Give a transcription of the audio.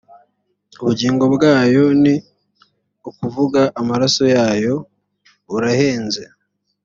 ubugingo bwayo ni ukuvuga amaraso yayo, burahenze